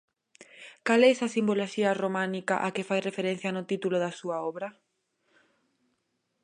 Cal é esa simboloxía románica á que fai referencia no título da súa obra?